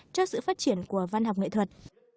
cho sự phát triển của văn học nghệ thuật